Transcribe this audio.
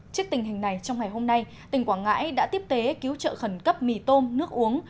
trước tình hình này trong ngày hôm nay tỉnh quảng ngãi đã tiếp tế cứu trợ khẩn cấp mì tôm nước uống